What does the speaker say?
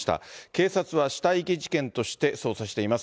警察は死体遺棄事件として捜査しています。